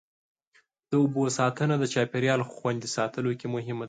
د اوبو ساتنه د چاپېریال خوندي ساتلو کې مهمه ده.